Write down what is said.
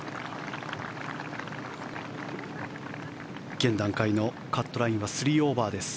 現段階のカットラインは３オーバーです。